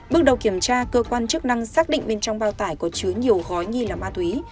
bước đầu kiểm tra cơ quan chức năng xác định bên trong bao tải có chứa nhiều gói nghi là ma túy